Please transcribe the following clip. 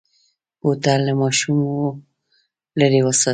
بوتل له ماشومو لرې وساتئ.